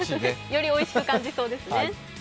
よりおいしく感じそうですね。